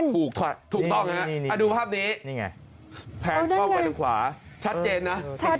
ถูกค่ะถูกต้องนะดูภาพนี้แพร่เข้ากันขวาชัดเจนนะ